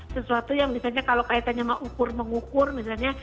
sesuatu yang misalnya kalau kaitannya sama ukur mengukur misalnya